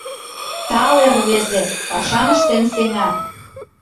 Тале рвезе, пашам ыштен сеҥа.